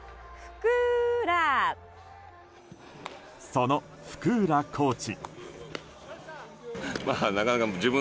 その福浦コーチ。